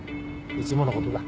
いつものことだ。